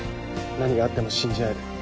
何があっても信じ合える。